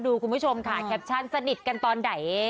คุณผู้ชมค่ะแคปชั่นสนิทกันตอนไหน